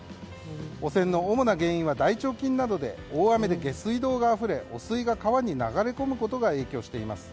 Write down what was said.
汚染の主な原因は大腸菌などで大雨で下水道があふれ汚水が川に流れ込むことが影響しています。